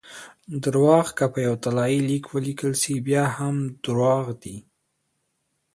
درواغ که په یو طلايي لیک ولیکل سي؛ بیا هم درواغ دي!